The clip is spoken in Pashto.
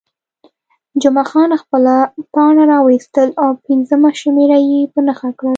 جمعه خان خپله پاڼه راویستل او پنځمه شمېره یې په نښه کړل.